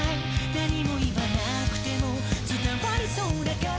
「何も言わなくても伝わりそうだから」